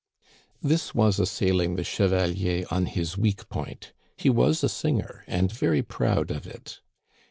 " This was assailing the chevalier on his weak point. He was a singer, and very proud of it.